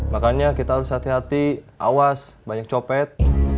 makanya kita harus hati hati awas banyak copet